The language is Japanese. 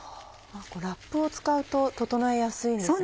ラップを使うと整えやすいんですね。